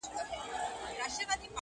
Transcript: پر تورو رباتونو قافلې دي چي راځي،